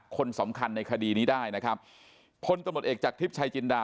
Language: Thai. คนสำคัญในคดีนี้ได้นะครับพลตำรวจเอกจากทริปชายจินดา